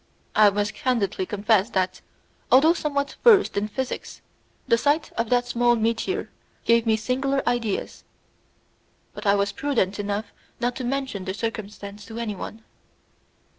I must candidly confess that, although somewhat versed in physics, the sight of that small meteor gave me singular ideas. But I was prudent enough not to mention the circumstance to any one.